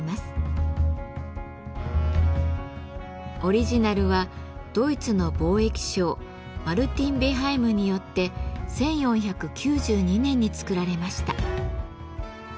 オリジナルはドイツの貿易商マルティン・ベハイムによって１４９２年に作られました。